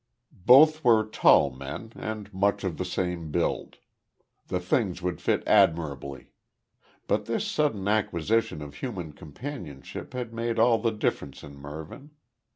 Both were tall men, and much of the same build. The things would fit admirably. But this sudden acquisition of human companionship had made all the difference in Mervyn.